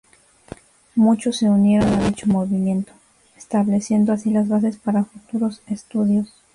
Muchos se unieron a dicho movimiento, estableciendo así las bases para futuros estudios.